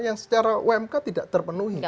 yang secara umk tidak terpenuhi